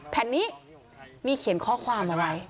แผ่นนี้มีเขียนข้อความเอาไว้